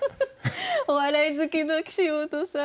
お笑い好きの岸本さん